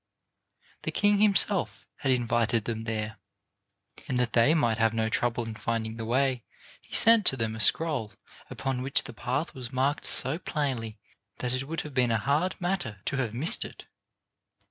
"] The king himself had invited them there, and that they might have no trouble in finding the way he sent to them a scroll upon which the path was marked so plainly that it would have been a hard matter to have missed it.